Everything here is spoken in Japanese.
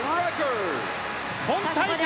今大会